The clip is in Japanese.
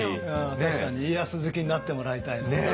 舘さんに家康好きになってもらいたいね。